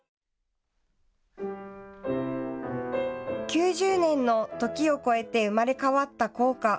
９０年の時を超えて生まれ変わった校歌。